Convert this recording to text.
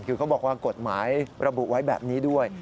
คือเขาบอกว่ากฎหมายระบุไว้แบบนี้ด้วย